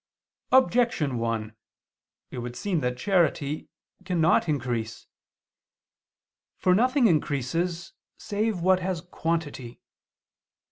Objection 1: It would seem that charity cannot increase. For nothing increases save what has quantity.